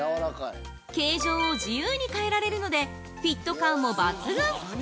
◆形状を自由に変えられるのでフィット感も抜群！